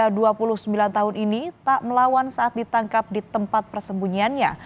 dua puluh sembilan tahun ini tak melawan saat ditangkap di tempat persembunyiannya